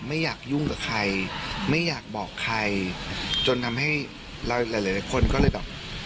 ไม่อยากยุ่งกับใครไม่อยากบอกใครจนทำให้เราหลายหลายคนก็เลยแบบ